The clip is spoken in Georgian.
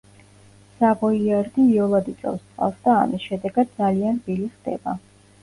სავოიარდი იოლად იწოვს წყალს და ამის შედეგად ძალიან რბილი ხდება.